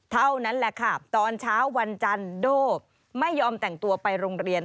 เท่านั้นแหละค่ะตอนเช้าวันจันทร์โด่ไม่ยอมแต่งตัวไปโรงเรียน